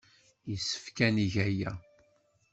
Yessefk ad neg aya.